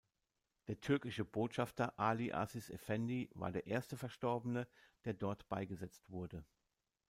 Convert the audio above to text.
Der türkische Botschafter Ali Aziz Efendi war der erste Verstorbene, der dort beigesetzt wurde.